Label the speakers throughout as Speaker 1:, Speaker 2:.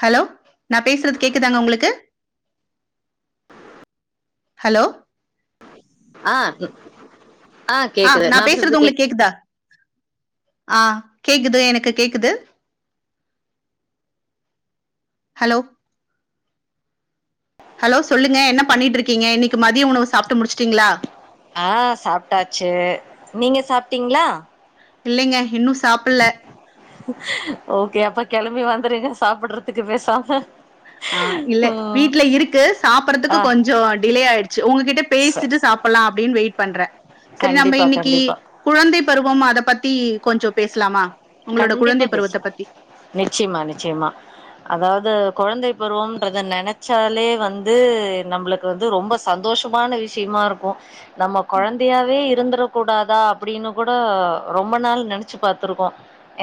Speaker 1: Hello நா பேசுறது கேக்குதாங்க ஒங்களுக்கு ஹலோ
Speaker 2: ஆ
Speaker 1: ஆ நா பேசுறது ஒங்களுக்கு கேக்குதா ஆ கேக்குது எனக்கு கேக்குது ஹலோ ஹலோ சொல்லுங்க என்ன பண்ணிட்டு இருக்கீங்க இன்னைக்கு மதிய உணவு சாப்ட்டு முடிச்சுடீங்ளா
Speaker 2: ஆ சாப்டாச்சு நீங்க சாப்டிங்ளா
Speaker 1: இல்லைங்க இன்னும் சாப்பிடல
Speaker 2: ஓகே அப்போ கெளம்பி வாங்க ந்துருங்க சாப்பிடுறதுக்கு பேசாம
Speaker 1: ஆ இல்ல
Speaker 2: ம்
Speaker 1: வீட்ல இருக்கு சாப்றதுக்கு
Speaker 2: ஆ
Speaker 1: கொஞ்சோ டிலே ஆயிடுச்சு உங்ககிட்ட
Speaker 2: சர்
Speaker 1: பேசிட்டு சாப்லா அப்டின்னு வெயிட் பண்றே சரி நம்ம
Speaker 2: கண்டிப்பா
Speaker 1: இன்னைக்கு
Speaker 2: கண்டிப்பா
Speaker 1: குழந்தை பருவம் அத பத்தி கொஞ்சோ பேசலாமா உங்களோட
Speaker 2: கண்டிப்பா
Speaker 1: குழந்தை பருவத்தை
Speaker 2: பேசல
Speaker 1: பத்தி
Speaker 2: நிச்சயமா நிச்சயமா அதாவ்து கொழந்தை பருவம்ன்றத நெனச்சாலே வந்து நம்மளுக்கு வந்து ரொம்ப சந்தோஷமான விஷயமா இருக்கு நம்ம கொழந்தையாவே இருந்திர கூடாதா அப்டின்னு கூட ரொம்ப நாள் நெனச்சு பாத்துருக்கோ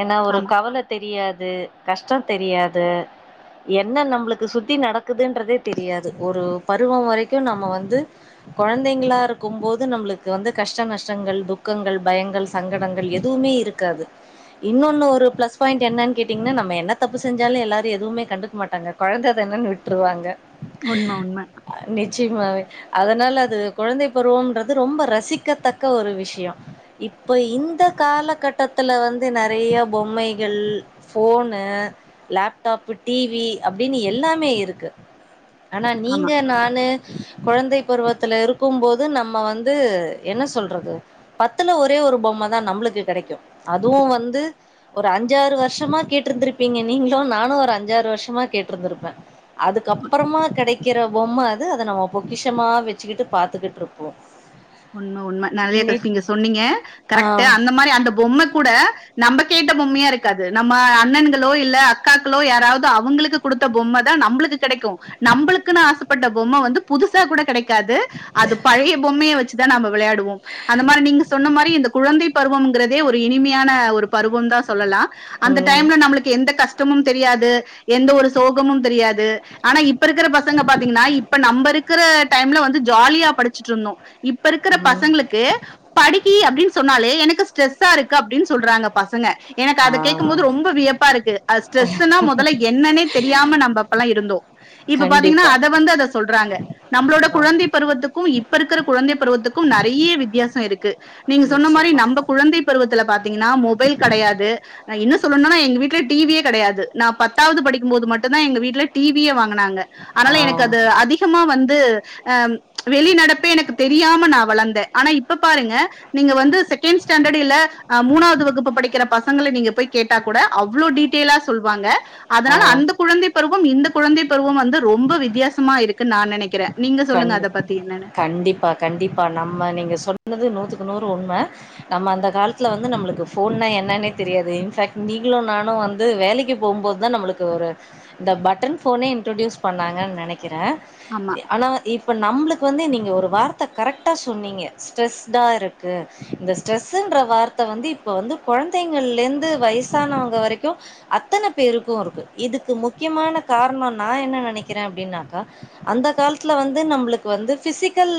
Speaker 2: ஏன்னா ஒரு
Speaker 1: ஆமா
Speaker 2: கவல தெரியாது வந்து கஷ்டம் தெரியாது என்ன நம்மளுக்கு சுத்தி நடக்குதுன்றதே தெரியாது ஒரு பருவ வரைக்கு நம்ம வந்து கொழந்தைங்ளா இருக்கும் போது நம்மளுக்கு வந்து கஷ்ட நஷ்டங்கள் துக்கங்கள் பயங்கள் சங்கடங்கள் எதுவுமே இருக்காது இன்னொன்னு ஒரு ப்ளஸ் பாயிண்ட் என்னன்னு கேட்டிங்கனா நம்ம என்ன தப்பு செஞ்சாலு எல்லாரு எதுவுமே கண்டுக்க மாட்டாங்க கொழந்த தானு விட்டுருவாங்க
Speaker 1: உண்ம உண்ம
Speaker 2: நிச்சயமா அதனால அது கொழந்தை பருவம்ன்றது ரொம்ப ரசிக்கத்தக்க ஒரு விஷயம் இப்ப இந்த காலகட்டத்துல வந் வந்து நறையா பொம்மைகள் ஃபோனு லேப்டாப்பு டி வி அப்டின்னு எல்லாமே இருக்கு அனா
Speaker 1: ஆமா
Speaker 2: நீங்க நானு கொழந்தை பருவத்துல இருக்கும் போது நம்ம வந்து என்ன சொல்றது பத்துல ஒரே ஒரு பொம்ம தா நம்மளுகு கெடைக்கு அது அதுவு வந்து ஒரு அஞ்சாறு வருஷமா கேட்டிருந்திருப்பீங்க நீங்களு நானு ஒரு அஞ்சாறு வருஷமா கேட்ருந்திருப்பே அதுக்கப்புறமா கடைக்கிற பொம்ம அது அத நம்ம பொக்கிஷமா வச்சுக்கிட்டு பாத்துகிட்டுருப்போ
Speaker 1: உண்ம உண்ம நறையா தஸ் நீங்க சொன்னீங்க
Speaker 2: ஆ
Speaker 1: கரெக்ட்டு அந்த மாரி அந்த பொம்ம கூட நம்ம கேட்ட பொம்மையா இருக்காது நம்ம அண்ணன்களோ இல்ல அக்காக்களோ யாராவது அவங்களுக்கு கொடுத்த பொம்ம தா நம்ளுக்கு கடைக்கு நம்ளுக்குன்னு ஆசப்பட்ட பொம்ம வந்து புதுசா கூட கடைக் க்காது அது பழைய பொம்மைய வச் சி தா நாம விளையாடுவோ அந்த மாரி நீங்க சொன்ன மாரி இந்த குழந்தை பருவம்ங்கிறதே ஒரு இனிமையான ஒரு பருவம் தா சொல்லலா அந்த
Speaker 2: ம்
Speaker 1: டைம்ல நம்மளுக்கு எந்த கஷ்டமும் தெரியாது எந்த ஒரு சோகமும் தெரியாது ஆனா இப்ப இருக்கிற பசங்க பாத்தீங்கன்னா இப்ப நம்ம இருக்கிற டைம்ல வந்து ஜாலியா படிச்சுட்டு இருந்தோ இப்ப இருக்கிற
Speaker 2: ம்
Speaker 1: பசங்களுக்கு படிக்கி அப்டின்னு சொன்னாலே எனக்கு ஸ்ட்ரஸார்க் கு அப்டின்னு சொல்றாங்க பசங்க எனக்கு
Speaker 2: ஆ
Speaker 1: அத கேக்கம்போது ரொம்ப வியப்பா இருக்கு அது ஸ்ட்ரெஸுனா மொதல என்னன்னே தெரியாம நாம அப்பல்லா இருந்தோ இப்ப பாத்தீங்கனா
Speaker 2: கண்டிப்பா
Speaker 1: அத வந்து அத சொல்றாங்க நம்மளோட
Speaker 2: ஆ
Speaker 1: குழந்தை பருவத்துக்கு இப் ப்பருக்குற குழந்தை பருவத்துக்கு நறைய வித்தியாசம் இருக்கு நீங்க சொன்ன மாரி
Speaker 2: நிச்சயமா
Speaker 1: நம்ம குழந்தை பருவத்துல பாத் பாத்திங்கனா மொபைல் கடையாது இன்னு சொல்லனும் னா எங்க வீட்ல டிவியே கிடையாது நா பத்தாவது படிக்கும்போது மட்டு தா எங்க வீட்ல டிவியே வாங்க கனாங்க
Speaker 2: ஆ
Speaker 1: அனால எனக்கு அது அதிகமா வந்து து ஆ வெளிநடப்பே எனக்கு தெரியாம நா வளந்தே ஆனா இப்ப பாருங்க நீங்க வந்து செகண்ட் ஸ்டாண்டர்ட் இல்ல ஆ மூணாவது வகுப்பு படிக்கிற பசங் பசங்கள நீங்க போய் கேட்டா கூட அவ்ளோ டீடெல்லா சொல்லுவாங்க
Speaker 2: ஆ
Speaker 1: அதனால அந்த குழந்தை பருவம் இந்த குழந்தைப்பருவொ வந்து ரொம்ப வித்யாசமா இருக்குன் நா நெனக்கிறே நீங்க சொல்லுங்க
Speaker 2: கண்டி
Speaker 1: அத பத்தி என்னனு
Speaker 2: கண்டிப்பா கண்டிப்பா நம்ம நீங்க சொன்னது நூத்துக்கு நூறு உண்ம நம்ம அந்த காலத்துல வந்து நம்மளுக்கு ஃபோன்னா என்னன்னே தெரியாது இன்ஃபேக்ட் நீங்களு நானு வந்து வேலைக்கு போம்போது தா நம்மளுக்கு ஒரு இந்த பட்டன் ஃபோனே இன்ட்ரடியூஸ் பண்ணாங்கன் நெனை க்கிறே
Speaker 1: ஆமா
Speaker 2: ஆனா இப்ப நம்ளுக்கு வந்து நீங்க ஒரு வார்த்த கரெக்டா சொன்னீங்க ஸ்ட்ரெஸ்டா இருக்கு இந்த ஸ்ட்ரெஸ்ஸுன்ற வார்த்த வந்து இப்ப வந்து கொழந்தைங்கள்லேந்து வயசானவுங்க வரைக்கு அத்தன பேருக்கு இருக்கு இதுக்கு முக்கியமான காரணொ நா என்ன நெனைக்கிறே அப்டின்னாக்கா அந்த காலத் துல வந்து நம்ளுக்கு வந்து ஃபிசிக்கல்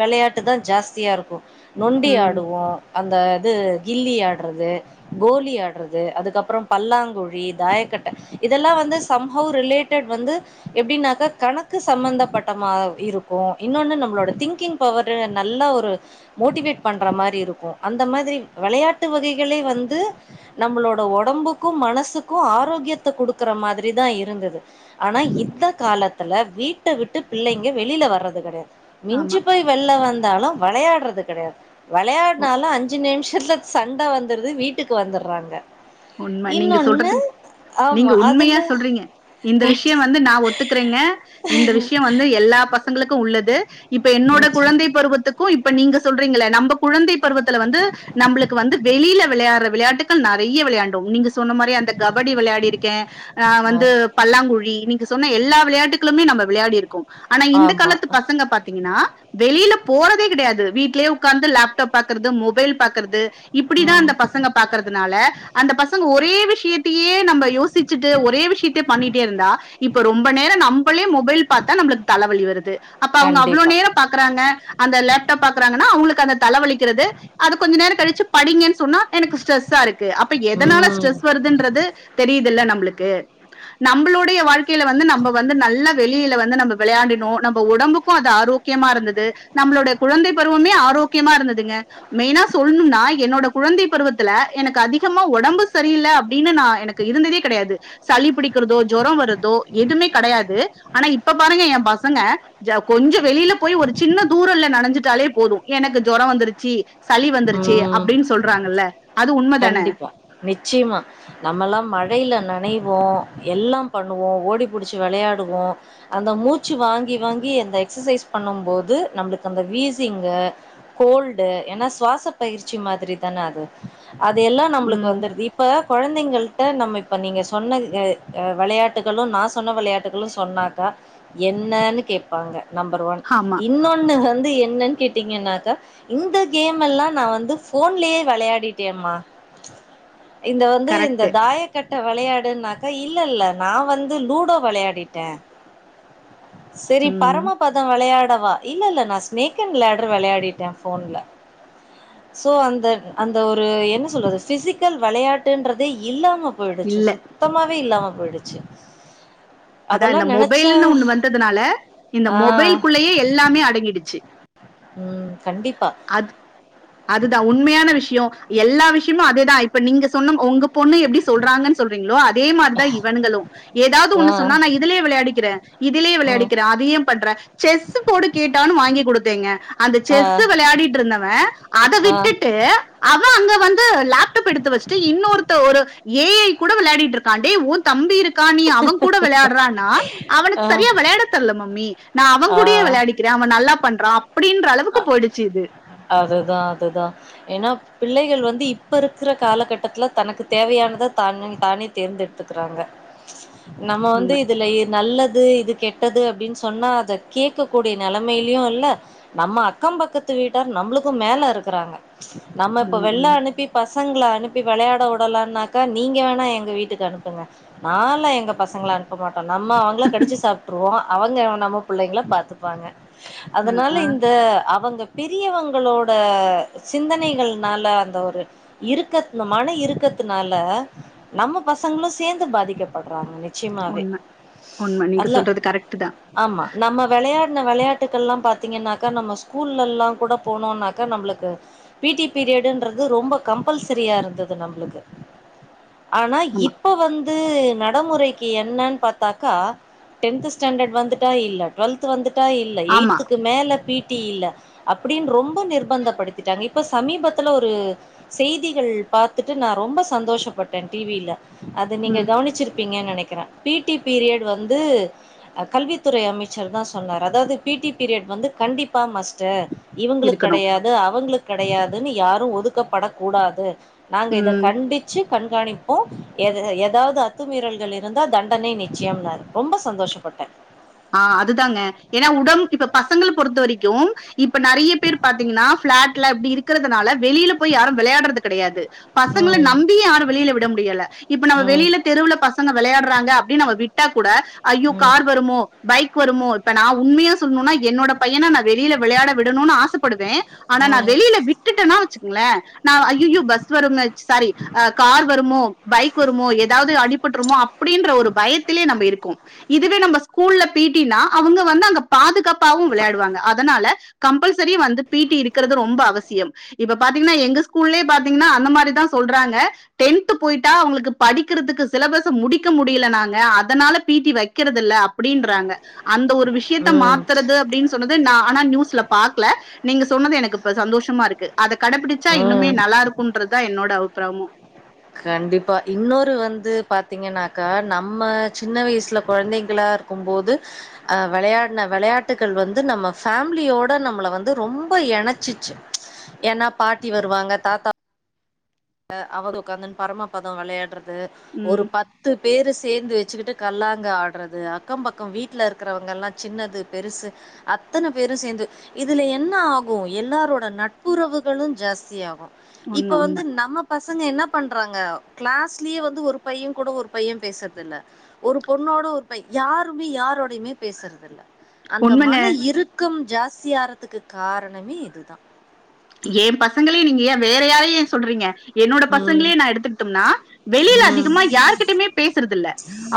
Speaker 2: வெளையாட்டு தா ஜாஸ்தியா இருக்கு நொண்டி
Speaker 1: உம்
Speaker 2: ஆடுவோ அந்த து கில்லி ஆட்றது, கோலி ஆட்றது, அதுக்கப்றம் பல்லாங்குழி, தாயக்கட்ட இதெல்லா வந்து சம்ஹவ் ரிலேட்டட் வந்து எப்டின்னாக்க கணக்கு சம்பந்தப்பட் டமா இருக்கு இன்னொன்னு நம்ளோட திங்கிங் பவரு நல்லா ஒரு மோட்டிவேட் பண்ற மாரி இருக்கு அந்த மாதிரி வெளையாட்டு வகைகளே வந்து நம்மளோட ஒடம்புக்கு மனசுக்கு ஆரோக்கியத்த குடுக்குற மாதிரி தா இருந்தது ஆனா இந்த காலத்துல வீட்ட விட்டு பிள்ளைங்க வெளில வர்றது கெடையா
Speaker 1: ஆமா
Speaker 2: மிஞ்சு போய் வெள்ல வந் தாலு வளையாட்றது கடையா
Speaker 1: உ-
Speaker 2: வளயாட்னாலு அஞ்சு நிமிஷத்ல சண்ட வந்துருது வீட்டுக்கு வந்துர்றாங்க
Speaker 1: உண்ம நீங்க சொல்றது நீங்க
Speaker 2: ஆமா
Speaker 1: உண்மையா
Speaker 2: அதுல
Speaker 1: சொல்றீங்க இந்த விஷ்யொ வந்து நா ஒத்துக்குறேங்க இந்த விஷ்யொ வ ந்து எல்லா பசங்ளுக்கு உள்ளது இப்ப என்னோட
Speaker 2: நிச்ச
Speaker 1: குழந்தை பருவத்துக்கு இப் ப நீங்க சொல்றீங்கல நம்ப குழந்தை பருவத்துல வந்து நம்ளுக்கு வந்து வெளில வெளையாட்ற விளையாட்டு க்கள் நறைய விளையா ன்டோம் நீங்க சொன்ன மாரி அந்த கபடி வெளயாடியிருக்கே ஆ வந்து பல்லாங்குழி நீங்க சொன்ன எல்லா விளையாட்டுக்களுமே நம்ப விளயாடியிருக்கோ ஆனா இந்த
Speaker 2: ஆமா
Speaker 1: காலத்து பசங்க பாத்தீங்கன்னா வெளில போறதே கிடையாது வீட்லயே உக்காந்து லேப்டாப் பாக்குறது மொபைல் பாக்குறது இப்டிதா
Speaker 2: ம்
Speaker 1: இந்த பசங்க பாக்குறதுனால பசங்க ஒரே விஷயத்தையே நம்ப யோசிச்சுட்டு ஒரே விஷயத்த பண்ணிட்டே இருந்தா இப்ப ரொம்ப நேர நம்பளே மொபைல் பாத்த நம்ளுக் தல வலி வருது அப்ப அவுங்க அவ்ளோ
Speaker 2: கண்டிப்பா
Speaker 1: நேர பாக்குறாங்க அந்த லேப்டாப் பாக்குறாங்கனா அவுங்களுக் அந்த தலவலிக்கிறது அது கொஞ்ச நேர கழிச்சு படிங்கன் சொன்னா எனக்கு ஸ்ட்ரெஸ்ஸா இருக்கு ப்ப எதனால
Speaker 2: ம்
Speaker 1: ஸ்ட்ரெஸ் வருதுன்றது தெரியுதுல்ல நம்பளுக் கு நம்பளுடைய வாழ் க்கைல வந்து நம்ப வந்து நல்ல வெளியில வந்து நம்ம விளையாடினோ நம்ம உடம்புக்கு அது ஆரோக்கியமா இருந்தது நம்மலோட குழந்தை பருவமே ஆரோக்கியமா இருந்ததுங்க மெய்னா சொல்ணும்னா என்னோட குழந்தை பருவத்துல எனக்கு அதிக் நிச்யமா உடம்பு சரியில்ல அப்டின்னு நா எனக்கு இருந்ததே கடையாது சளி பிடிக்கிறதோ ஜொரோ வரதோ எதுமே கடையாது ஆனா இப்ப பாருங்க ஏ பசங்க கொஞ்ச வெளியில போய் ஒரு சின்ன தூரல்ல நனைஞ்சிட்டாலே போது எனக்கு ஜோர வந்துருச்சு சளி வந்துருச்சி
Speaker 2: ம்
Speaker 1: அப்டின்னு சொல்றாங்கல்ல அது உண்மதான
Speaker 2: நிச்சியமா நம்மல்லா மழையில நனைவோ எல்லா பண்ணுவோ ஓடிபிடிச்சு விளையாடுவோ அந்த மூச்சு வாங்கி வாங்கி அந்த எக்சசைஸ் பண்ணும் போது நம்புளுக்கு அந்த வீசிங்கு கோல்டு ஏன்னாஸ் சுவாச பயிற்சி மாதிரி தான அது அது எல்லா நம்மளுக்கு
Speaker 1: உம்
Speaker 2: வந்துர்து இப்ப கொழந்தைங்கல்ட்ட நம்ம இப்போ நீங்க சொன்ன எ எ விளையாட்டுகளு நா சொன்ன விளையாட்டுகளு சொன்னாக்கா என்னன்னு கேப்பாங்க நம்பர் ஒன்
Speaker 1: ஆமா
Speaker 2: இன்னொன்னு வந்து என்னன் கேட்டிங்கனாக இந்த கேம் கேம்ல நா வந்து ஃபோன்லயே விளையாடிட்டேம்மா இங்க வந்து இந்த
Speaker 1: கரெக்ட்
Speaker 2: தாய கட்ட விளையாடு நாக் அ இல்ல இல்ல நா வந்து லூடோ விளையாடிட்டே சரி
Speaker 1: உம்
Speaker 2: பரம பத விளையாட் டவா இல்ல இல்ல நா ஸ்னேக் அண்ட் லேடர் விளையாடிட்டே ஃபோன்ல சோ அந்த அந்த ஒரு என்ன சொல்றது பிசிக்கல் விளையாட்டுன்றதே இல்லாம
Speaker 1: இல்ல
Speaker 2: போயிடுச்சு சுத்தமாவே இல்லாம போய்டுச்சு
Speaker 1: அதா இந்த மொபைல்னு ஒன்னூ வந்ததுனால இந்த
Speaker 2: ஆ
Speaker 1: மொபைல் குள்லையே எல்லாமே அடங்கிடுச்சு
Speaker 2: உ கண்டிப்பா
Speaker 1: அதுதா உண்மயான விஷயோ எல்லா விஷயமு அதுதா இப்ப நீங்க சொன்ன உங்க பொண்ணு எப்டி சொல்றாங்கன் சொல்றீங்களோ அதே மாரிதா இவன்னுகலு ஏதாவது
Speaker 2: ஆ
Speaker 1: ஒன்னு சொன்னா நா இதிலே விளையாடிக்கிறே இதிலே
Speaker 2: ம்
Speaker 1: விளையாடிக்கிறே அதயே பண்ற செஸ் போடு கேட்டான் வாங்கிகுடுத்தேங்க அந்த
Speaker 2: ஆ
Speaker 1: செஸ்ஸ விளையாடிட்ருந்தவே அத
Speaker 2: ஆ
Speaker 1: விட்டுட்டு அவ அங்க வந்து லேப்டாப் எடுத்து வச்சுட்டு இன்னொருத்த ஒரு ஏ ஐ கூட விளையாடிட்டு இருக்கா டே உ தம்பி இருக் கா நீ அவங் விளையாடுறான்னா அவனுக்கு
Speaker 2: ஆ
Speaker 1: சரியா விளையாட தெர்ல மம்மி இ நா அவ கூடையே விளையாடிக்கிறே அவ நல்லா பண்றா
Speaker 2: ஆ அதுதா அதுதா ஏன்னா பிள்ளைகள் வந்து இப்ப இருக்கிற காலகட்டத்துல தனக்கு தேவையானத தான தானே தேர்ந்தெடுத்துக்குறாங்க நம்ம
Speaker 1: உண்ம,
Speaker 2: வந்து இதுல நல்லது இது இது கெட்டது அப்டின்னு சொன்னா அத கேக்க கூடிய நெலமயுலு இல்ல நம்ம அக்கம் பக்கத்து வீட்டார் நம்மளுக்கும் மேல இருக்குறாங்க நம்ம இப்ப
Speaker 1: உண்ம,
Speaker 2: வெள்ள
Speaker 1: உண்ம.
Speaker 2: அனுப்பி ப பசங்கள அனுப்பி விளயாட விடலனாக்கா நீங்க வேணா எங்க வீட்டுக்கு அனுப்புங்க நால்லா எங்க பசங்கள அனுப்ப மாட்ட நம்ம அவுங்கள கடிச்சு சாப்ட்ருவோ அவுங்க நம்ம புள்ளைங்கள பாத்துப்பாங்க
Speaker 1: ஆ
Speaker 2: அதனால
Speaker 1: ஆ
Speaker 2: இந்த அவுங்க பெரியவங்களோட சிந்தனைகள்னால அந்த ஒரு இருக்க மன இருக்கத்னால நம்ம பசங்களு சேர்ந்து பாதிக்கப்படுறாங்க நிச்சயமாவே
Speaker 1: உண்ம உண்ம நீங்க
Speaker 2: அதுல
Speaker 1: சொல்றது கரெக்ட் தான்
Speaker 2: ஆமா நம்ம வெளயாட விளையாட்டுக்கல்லா பாத்தீங்கனா நம்ம ஸ்கூல்ல எல்லா கூட போனோனாக்க நம்மளுக்கு பீ டி பீரியடுன்றது ரொம்ப கம்பல்சரியா இருந்தது நம்மளுக்கு ஆனா
Speaker 1: ஆமா
Speaker 2: இப்ப வந்து நடைமுறைக்கு என்னன்னு பாத்தாக்கா டென்த் ஸ்டாண்டர்ட் வந்துட்டா இல்ல டுவெல்த் வந்துட்டு இல்ல
Speaker 1: ஆமா
Speaker 2: எய்த்துக்கு மேல பி டி இல் அப்டின்னு ரொம்ப நிர்பந்தப்படுத்திட்டாங்க இப்போ சமீபத்தில் ஒரு செய்திகள் பாத்துட்டு நா ரொம்ப சந்தோஷப்பட்டே டிவியில அத நீங்க
Speaker 1: ம்
Speaker 2: கவனிச்சிருப்பீங்கனு நெனக்கு இருக்ற பீ டி பீரியட் வந்து கல்வித்துறை அமைச்சர் தா சொன்னார் அதாவது பீ டி பீரியட் வந்து கண்டிப்பா மஸ்ட்டு இவுங்களுக்கு
Speaker 1: இருக்கணும்
Speaker 2: கெடயாது அவுங்களுக்கு கெடயாதுன்னு யார் ஒதுக்கப்படக் கூடாது நாங்க
Speaker 1: ம்
Speaker 2: இதக் கண்டிச்சு கண்காணிப்போ ஏதாவது அத்துமீறல்கள் இருந்தா தண்டனை நிச்சயம்னாரு ரொம்ப சந்தோஷப்பட்டேன்
Speaker 1: ஆ அதுதாங்க ஏன்னா உடம்ப இப்ப பசங்க பொறுத்த வரைக்கு இப்ப நெறய பேர் பாத்தீங்கனா பிளாட்ல இப்டி இருக்குறதுனால வெளில போய் யாரு வெளயாடுறது கெடயாது பசங்கள
Speaker 2: ம்
Speaker 1: நம்பியு யாரையு வெளில விட முடியல இப்ப நம்ம
Speaker 2: ம்
Speaker 1: வெளில தெருவுல பசங்க விளயாடுறாங்க அப்டினு நம்ம விட்டு கூட ஐயோ
Speaker 2: ம்
Speaker 1: கார் வருமோ பைக்கு வருமோ இப்ப நா உண்மையா சொல்லுன்னா என்னோட பையன ந வெளியில விளையாட விடணும்னு ஆசைப்படுவே ஆனா நா வெளியில விட்டுட்டேன்னா வச்சுக்கோங்கள நா ஐய்ஐய்யோ பஸ் வரு சாரி கார் வருமோ பைக் வருமோ ஏதாவது அடிபட்டுருமோ அப்பிடின்ற ஒரு பயத்திலே நம்ப இருக்கோ இதுவே நம்ம ஸ்கூல்ல பீட்டினா அவுங்க வந்து அங்க பாதுகாப் ப்பாவு விளையாடுவாங்க அதனால கம்பல்சரி வந்து பீட்டி இருக்கிறது ரொம்ப அவசியம் இப்ப பாத்தீங்கன்னா எங்க ஸ்கூல்லே பாத்தீங்கன்னா அந்த மாரிதா சொல்றாங்க டென்த் போயிட்டா அவுங்களுக்கு படிக்கிறதுக்கு சிலபஸ் முடிக்க முடியல நாங்க அதனால பீட்டி வைக்கிறது இல்ல அப்பிடின்ற றாங்க அந் அந்த ஒரு விஷயத்த
Speaker 2: ம்
Speaker 1: மாத்துறது அப்பிடின்னு சொன்னது நா ஆனா நியூஸ்ல பாக்கல நீங்க சொன்னது எனக்கு இப்ப சந்தோஷமா இருக்கு அத கடைபிடிச்சா
Speaker 2: ம் ம்
Speaker 1: இன்னுமே நல்லா இருக்குன்றதா என்னோட அவுட் பிரமு
Speaker 2: கண்டிப்பா இன்னொரு வந்து பாத்தீங்கன்னாக்கா நம்ம சின்ன வயசுல கொழந்தைங்களா இருக்குபோது அ விளையாடுன விளையாட்டுகள் வந்து நம்ம ஃபேமிலியோட நம்மள வந்து ரொம்ப இணைச்சிச்சி ஏன்னா பாட்டி வருவாங்க தாத்தா அ அவுங்குளுக்கு உக்கந்து பரமப்பதம் விளையாடுறது அ ஒரு
Speaker 1: உம்
Speaker 2: பத்து பேரு சேர்ந்து வச் வச்சிக்கிட்டு கல்லாங்கா ஆடுறது அக்கம் பக்கம் வீட்ல இருக்கிறவங்கள்லா சின்னது பெருசு அத்தன பேரு சேந்து இதில என்னாகு எல்லாரோட நட்புறவுகளு ஜாஸ்தியாகு
Speaker 1: உண்மை
Speaker 2: இப்ப வந்து
Speaker 1: உண்மை
Speaker 2: நம் பசங்க என்ன பண்றாங்க கிளாஸ்லியே வந்து ஒரு பைய கூட ஒரு பைய பேசுறதில்ல ஒரு பொண்ணோட ஒரு பைய யாருமே யாரோடையுமே பேசுறதில்ல அந்த
Speaker 1: உண்மைங்க
Speaker 2: மன இருக்கம் ஜாஸ்தி ஆரறதுக்கு காரணமே இதுதா
Speaker 1: ஏ பசங்களியு நீங்க ஏ வேற யாரையு சொல்றீங்க என்னோட
Speaker 2: ம்.
Speaker 1: பசங்களே நா எடுத்துக்கிட்டோம்னா வெளியில
Speaker 2: ம்.
Speaker 1: அதிகமா யார்கிட்டயுமே பேசுறது இல்ல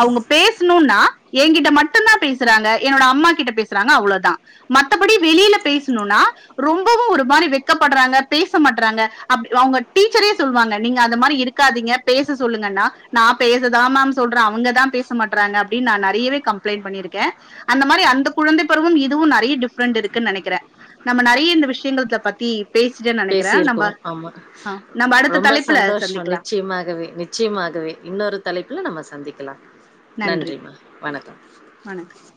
Speaker 1: அவுங்க பேஸ்ணுன்னா என்கிட்ட மட்டுதா பேசறாங்க என்னோட அம்மா கிட்ட பேசுறாங்க அவ்ளோதா மத்தபடி வெளியில பேசணுன்னா ரொம்பவு ஒரு மாரி பதடபடுறாங்க பேச மாட்டறாங்க அப் அவுங்க டீச்சரே சொல்லுவாங்க நீங்க அந்த மாரி இருக் க்காதீங்க பேச சொல்லுங்கன்னா நா பேசதா மேம் சொல்றே அவுங்கதா பேச மாட்டறாங்க அப்பிடின் நா நெறையவே கம்ப்ளைண்ட் பண்ணியிருக்கே அந்த மாரி அந்த குழந்தை பருவும் இதுவு நெறைய டிஃப்ரண்ட் இருக்குன்னு நெனைக்கிறே நம்ம நெறைய இந்த விஷயங்கள்த பத்தி
Speaker 2: பேசியிருக்கோ ஆமா
Speaker 1: ஆ, நம்ம அடுத்த
Speaker 2: ரொம்ப
Speaker 1: தலைப்புல
Speaker 2: சந்தோஷோ
Speaker 1: சந்திக்கலாம்
Speaker 2: நிச்சயமாகவே நிச்சயமாகவே இன்னொரு தலைப்புல நம்ம சந்திக்கலா
Speaker 1: நன்றி
Speaker 2: நன்றிமா வணக்கோ
Speaker 1: வணக்கம்